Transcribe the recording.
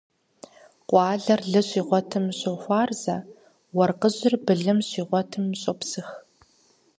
Къуалэр лы щигъуэтым щохуарзэ, уэркъыжьыр былым щигъуэтым щопсых.